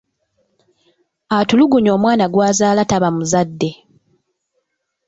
Atulugunya omwana gw’azaala taba muzadde.